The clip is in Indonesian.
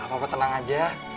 nah papa tenang aja